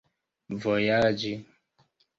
vojaĝi